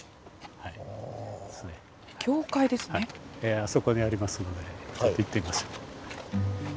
あそこにありますので行ってみましょう。